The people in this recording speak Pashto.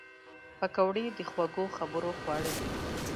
پکورې د خوږو خبرو خواړه دي